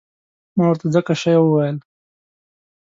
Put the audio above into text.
ما ورته ځکه شی وویل.